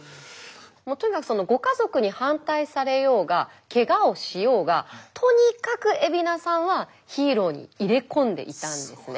もうとにかくご家族に反対されようがケガをしようがとにかく海老名さんはヒーローに入れ込んでいたんですね。